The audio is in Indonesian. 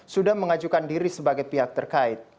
sudah mengajukan diri sebagai pihak terkait